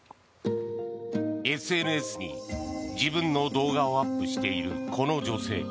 ＳＮＳに自分の動画をアップしているこの女性。